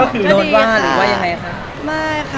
ก็คือโน้นว่าหรือว่าอย่างไรค่ะ